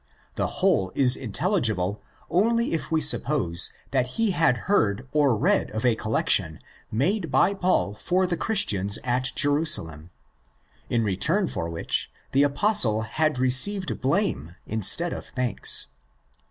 The whole is intelligible only if we suppose that he had heard or read of a collection made by Paul for the Christians at Jerusalem, in return for which the Apostle had received blame instead of thanks.